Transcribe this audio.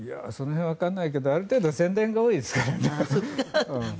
その辺はわかんないけどある程度宣伝が多いですからね。